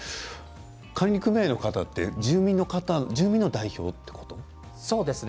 管理組合の方は住民の代表ということなんですよね？